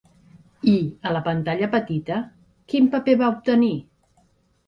I a la pantalla petita, quin paper va obtenir?